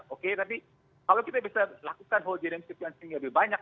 oke tapi kalau kita bisa lakukan whole genome sequencing yang lebih banyak